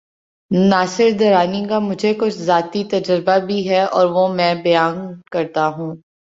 ناصر درانی کا مجھے کچھ ذاتی تجربہ بھی ہے‘ اور وہ میں بیان کرتا ہوں۔